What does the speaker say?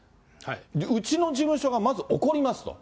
うちの事務所がまず怒りますと。